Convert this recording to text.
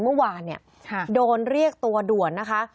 เมื่อวานเนี่ยโดนเรียกตัวด่วนนะคะ